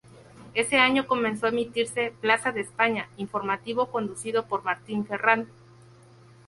Ese año comenzó a emitirse "Plaza de España", informativo conducido por Martín Ferrand.